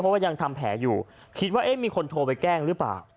เพราะว่ายังทำแผลอยู่คิดว่าเอ๊ะมีคนโทรไปแกล้งหรือเปล่า